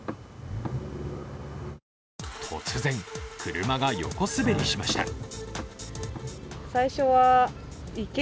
突然、車が横滑りしました。